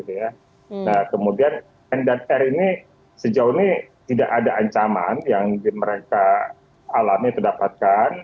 nah kemudian n dan r ini sejauh ini tidak ada ancaman yang mereka alami atau dapatkan